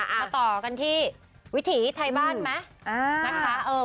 มาต่อกันที่วิถีไทยบ้านไหมนะคะ